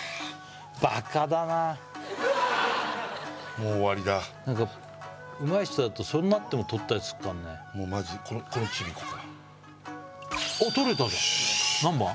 もう終わりだ何かうまい人だとそうなってもとったりすっからねもうマジこのチビいこうかよし何番？